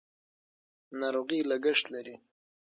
ناروغي لګښت لري.